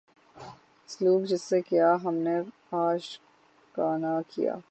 سلوک جس سے کیا ہم نے عاشقانہ کیا